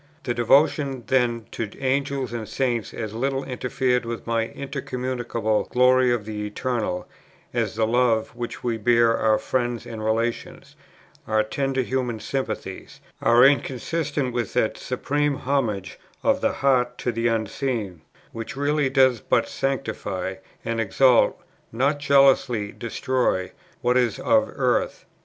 The devotions then to Angels and Saints as little interfered with the incommunicable glory of the Eternal, as the love which we bear our friends and relations, our tender human sympathies, are inconsistent with that supreme homage of the heart to the Unseen, which really does but sanctify and exalt, not jealously destroy, what is of earth.